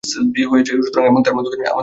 এবং তার বন্ধুদের আমন্ত্রণ জানায়।